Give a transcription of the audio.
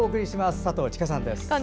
佐藤千佳さんです。